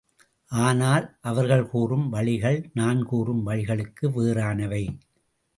ஆனால் அவர்கள் கூறும் வழிகள் நான் கூறும் வழிகளுக்கு வேறானவை.